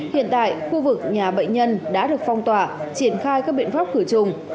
hiện tại khu vực nhà bệnh nhân đã được phong tỏa triển khai các biện pháp khử trùng